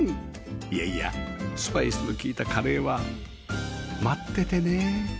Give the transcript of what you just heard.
いやいやスパイスの利いたカレーは待っててね